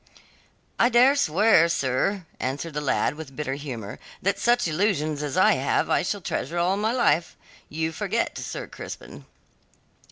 "I dare swear, sir," answered the lad, with bitter humour, "that such illusions as I have I shall treasure all my life. You forget, Sir Crispin."